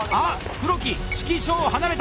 黒木指揮所を離れた！